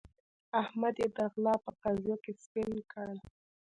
احمد يې د غلا په قضيه کې سپين کړ.